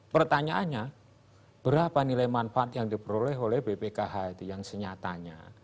pertanyaannya berapa nilai manfaat yang diperoleh oleh bpkh itu yang senyatanya